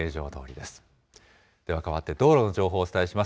ではかわって、道路の情報をお伝えします。